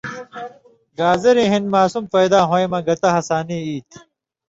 گازریۡ ہِن ماسُم پیدا ہویں مہ گتہ ہسانی ای تھی۔